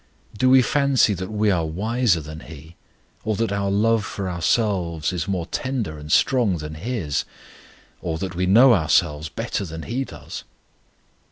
Do we fancy that we are wiser than He? or that our love for ourselves is more tender and strong than His? or that we know ourselves better than He does?